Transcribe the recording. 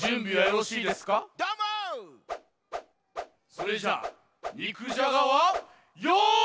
それじゃあにくじゃがはよっ！